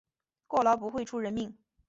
过劳不会出人命